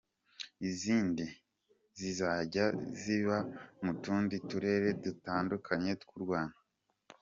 Izindi zisigaye ziba mu tundi turere dutandukanye tw’u Rwanda.